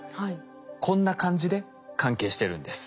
こんな感じで関係してるんです。